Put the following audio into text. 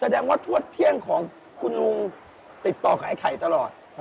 แสดงว่าทวดเที่ยงของคุณลุงติดต่อกับไอ้ไข่ตลอด